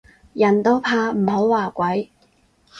人都怕唔好話鬼